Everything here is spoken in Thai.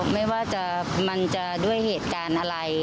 ไม่ว่ามันจะด้วยเหตุการณ์อะไร